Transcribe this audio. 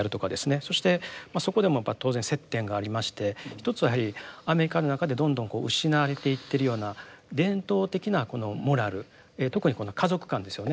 そしてそこでも当然接点がありまして一つはやはりアメリカの中でどんどん失われていってるような伝統的なこのモラル特にこの家族観ですよね。